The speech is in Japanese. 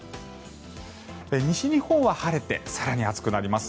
西日本は晴れて更に暑くなります。